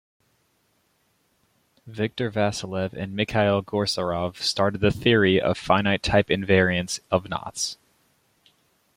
Viktor Vassiliev and Mikhail Goussarov started the theory of finite type invariants of knots.